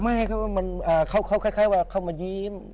ไม่เขาว่ามันอ่าเขาเข้าคล้ายคล้ายว่าเข้ามายิ้ม